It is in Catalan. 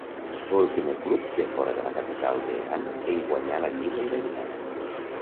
Fou el primer club de fora de la capital Teheran en guanyar la lliga iraniana.